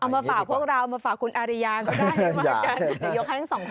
เอามาฝากพวกเรามาฝากคุณอารยาก็ได้มากกัน